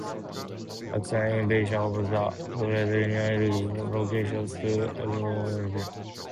Axis invasion of the Soviet Union encouraged locals to accelerate preparations.